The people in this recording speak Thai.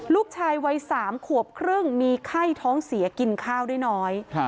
ลูกชายวัย๓ขวบครึ่งมีไข้ท้องเสียกินข้าวได้น้อย